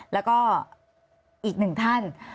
แล้วก็อีกหนึ่งท่าน